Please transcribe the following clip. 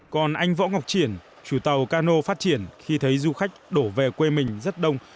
còn anh võ ngọc triển chủ tàu cano phát triển khi thấy du khách đổ về quê mình rất đông